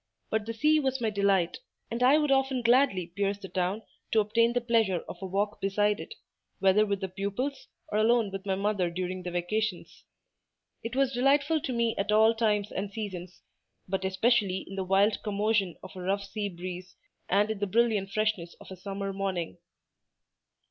But the sea was my delight; and I would often gladly pierce the town to obtain the pleasure of a walk beside it, whether with the pupils, or alone with my mother during the vacations. It was delightful to me at all times and seasons, but especially in the wild commotion of a rough sea breeze, and in the brilliant freshness of a summer morning.